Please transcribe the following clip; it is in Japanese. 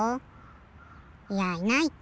いやいないって。